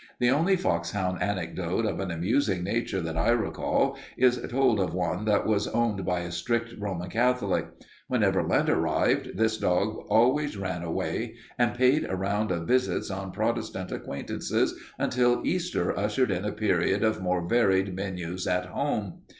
The only foxhound anecdote of an amusing nature that I recall is told of one that was owned by a strict Roman Catholic. Whenever Lent arrived, this dog always ran away and paid a round of visits on Protestant acquaintances until Easter ushered in a period of more varied menus at home.